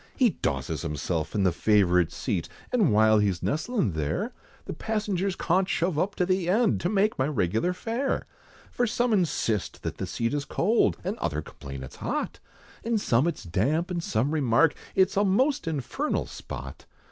He dosses himself in the favourite seat, And while he's nestlin' there, The passengers cawnt shove up to the end, To make my regular fare. For some insist that the seat is cold! And others complain it's hot! And some it's damp, and some remark, It's a most infernal spot!